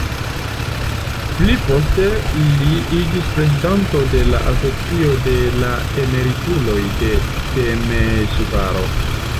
Pli poste li iĝis prezidanto de la asocio de la emerituloj de Temeŝvaro.